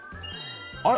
あれ？